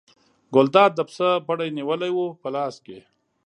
ګلداد د پسه پړی نیولی و په لاس کې.